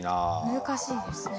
難しいですね。